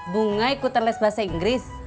bunga ikutan les bahasa inggris